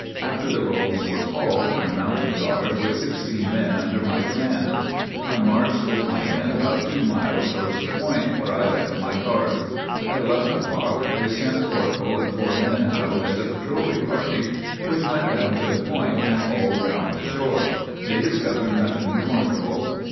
After the rolls were called I mounted guard with sixteen men under my command. I marched with my men about 2 miles towards the Point, where I left my guard. At ii o'clk I sent a corporal and four men out as a patroUing party, which went down to the Point and all round the shore. They discovered nothing remarkable.